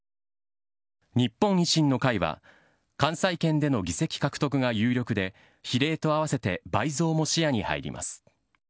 日本維新の会は、関西圏での議席獲得が有力で、比例と合わせて倍増も視野に入ります。